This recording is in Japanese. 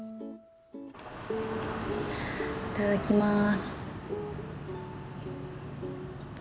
いただきます。